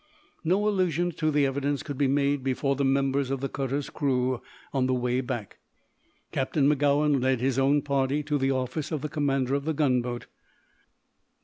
No allusion to the evidence could be made before the members of the cutter's crew on the way back. Captain Magowan led his own party to the office of the commander of the gunboat.